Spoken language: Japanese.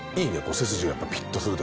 背筋がピッとするというか。